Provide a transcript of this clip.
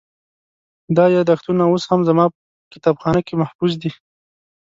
دا یادښتونه اوس هم زما په کتابخانه کې محفوظ دي.